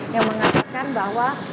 yang mengatakan bahwa